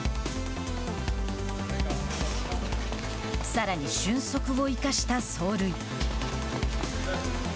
さらに、俊足を生かした走塁。